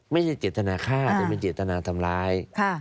ไม่ใช่เจตนาฆ่าแต่เป็นเจตนาทำร้าย